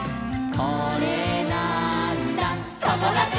「これなーんだ『ともだち！』」